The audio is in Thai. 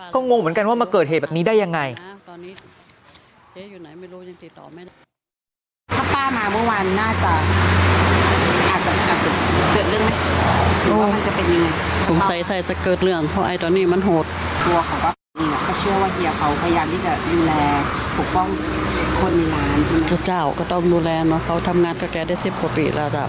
ก็งงเหมือนกันว่ามาเกิดเหตุแบบนี้ได้ยังไง